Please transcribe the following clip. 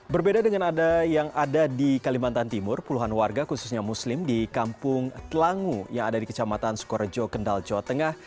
berbeda dengan ada yang ada di kalimantan timur puluhan warga khususnya muslim di kampung telangu yang ada di kecamatan sukorejo kendal jawa tengah